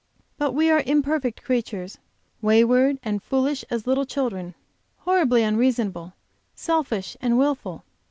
But we are imperfect creatures, wayward and foolish as little children, horribly unreasonable, selfish and willful.